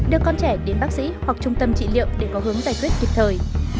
đưa con trẻ đến bác sĩ hoặc trung tâm trị liệu để có hướng giải quyết kịp thời